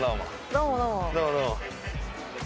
どうもどうも。